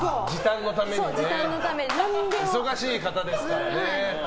忙しい方ですからね。